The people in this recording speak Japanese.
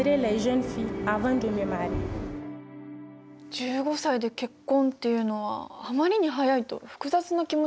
１５歳で結婚っていうのはあまりに早いと複雑な気持ちになりました。